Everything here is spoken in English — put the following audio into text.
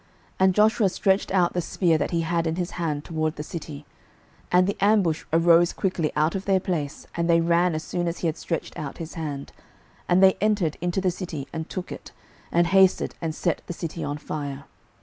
And Joshua stretched out the spear that he had in his hand toward the city. 06:008:019 And the ambush arose quickly out of their place, and they ran as soon as he had stretched out his hand: and they entered into the city, and took it, and hasted and set the city on fire.